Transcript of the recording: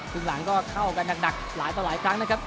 ครึ่งหลังก็เข้ากันหนักหลายต่อหลายครั้งนะครับ